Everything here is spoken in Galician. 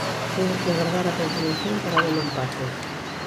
Houbo que agardar á continuación para ver o empate.